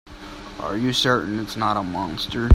Are you certain it's not a monster?